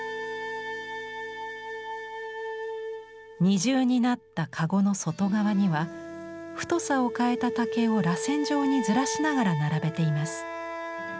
二重になった籠の外側には太さを変えた竹をらせん状にずらしながら並べています。